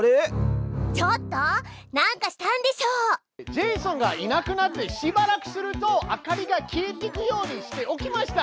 ジェイソンがいなくなってしばらくすると明かりが消えてくようにしておきました！